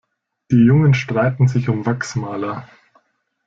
Die Jungen streiten sich um Wachsmaler.